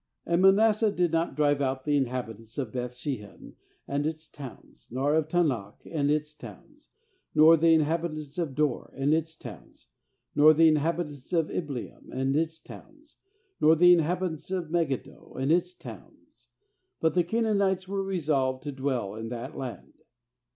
27And Manasseh did not drive out the inhabitants of Beth shean and its towns, nor of Taanach and its towns, nor the inhabitants of Dor and its towns, nor the inhabitants of Ibleam and its towns, nor the in habitants of Megiddo and its towns; but the Canaanites were resolved to dwell in that land.